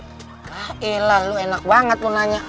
kaelah lo enak banget lo nanya